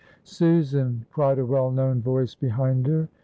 "Susan!" cried a well known voice behind her.